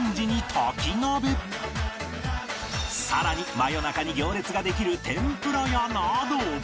さらに真夜中に行列ができる天ぷら屋など